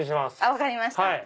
分かりました。